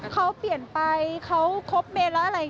เขาเปลี่ยนไปเขาครบเมนแล้วอะไร